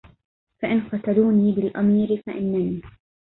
فإن تقتلوني بالأمير فإنني